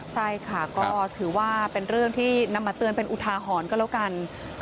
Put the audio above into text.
ใช่ค่ะก็ถือว่าเป็นเรื่องที่นำมาเตือนเป็นอุทาหรณ์ก็แล้วกัน